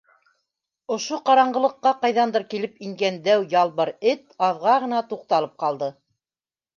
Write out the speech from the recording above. Ошо ҡараңғылыҡҡа ҡайҙандыр килеп ингән дәү ялбыр эт аҙға ғына туҡталып ҡалды.